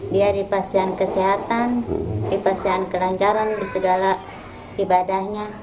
dia di pasien kesehatan di pasien kelancaran di segala ibadahnya